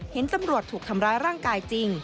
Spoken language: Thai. เห็นตำรวจถูกทำร้ายร่างกายจริง